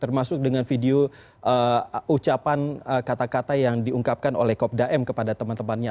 termasuk dengan video ucapan kata kata yang diungkapkan oleh kopda m kepada teman temannya